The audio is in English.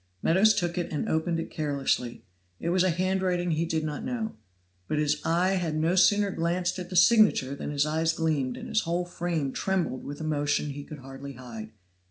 Meadows took it and opened it carelessly; it was a handwriting he did not know. But his eye had no sooner glanced at the signature than his eyes gleamed and his whole frame trembled with emotion he could hardly hide.